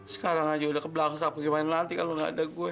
sekarang aja udah keblangsa apa gimana nanti kalau nggak ada gue